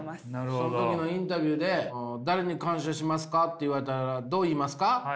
その時のインタビューで「誰に感謝しますか？」と言われたらどう言いますか？